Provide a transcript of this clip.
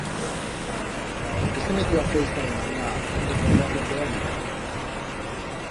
Por qué se metió a fer ista aventura en do podeba perder a vida?